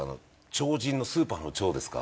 超人のスーパーの「超」ですか？